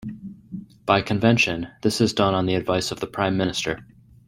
By convention, this is done on the advice of the Prime Minister.